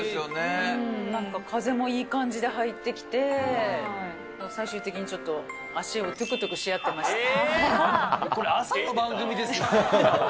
なんか風もいい感じで入ってきて、最終的にちょっと足をトゥクトゥクし合ってました。